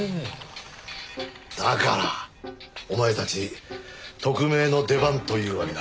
だからお前たち特命の出番というわけだ。